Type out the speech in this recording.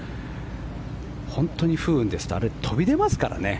本当に不運ですとあれ、飛び出ますからね。